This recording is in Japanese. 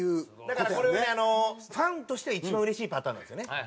だからこれねファンとして一番うれしいパターンなんですよね。